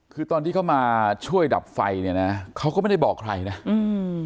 คือตอนที่เขามาช่วยดับไฟเนี่ยนะเขาก็ไม่ได้บอกใครนะอืม